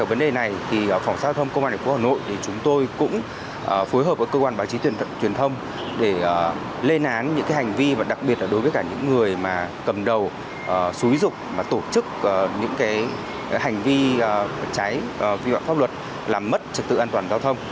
về vấn đề này thì phòng giao thông công an thành phố hà nội chúng tôi cũng phối hợp với cơ quan báo chí tuyển thông để lên án những hành vi và đặc biệt là đối với cả những người mà cầm đầu xúi dục tổ chức những hành vi cháy vi phạm pháp luật làm mất trật tự an toàn giao thông